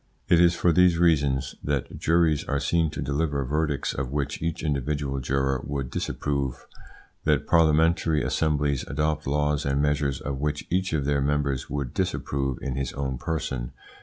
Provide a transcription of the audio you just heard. It is for these reasons that juries are seen to deliver verdicts of which each individual juror would disapprove, that parliamentary assemblies adopt laws and measures of which each of their members would disapprove in his own person.